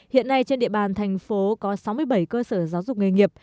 hiện nay trên địa bàn thành phố có sáu mươi bảy cơ sở giáo dục nghề nghiệp